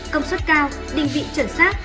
công suất cao định vị trở sát